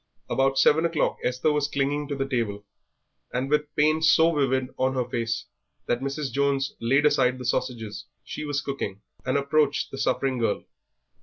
About seven o'clock Esther was clinging to the table, and with pain so vivid on her face that Mrs. Jones laid aside the sausages she was cooking and approached the suffering girl.